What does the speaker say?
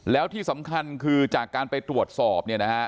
แล้วที่สำคัญคือจากการไปตรวจสอบ